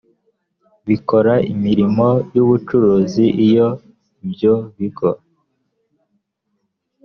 bikora imirimo y ubucuruzi iyo ibyo bigo